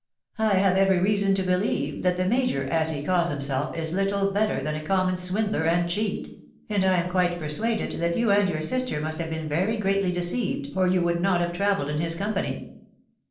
I have every reason to believe that the major, as he calls himself is little better than a common swindler and cheat ; and I am quite persuaded that you and your sister must have been greatly deceived, or you would not have travelled in his company."